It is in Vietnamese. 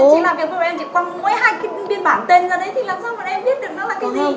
chị làm việc với bà lý chị quăng mỗi hai cái biên bản tên ra đấy thì làm sao bà lý biết được nó là cái gì